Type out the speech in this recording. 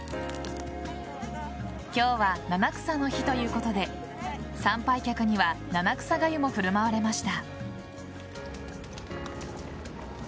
今日は七草の日ということで参拝客には七草がゆも振る舞われました。